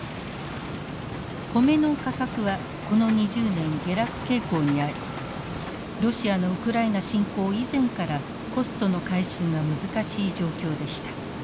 コメの価格はこの２０年下落傾向にありロシアのウクライナ侵攻以前からコストの回収が難しい状況でした。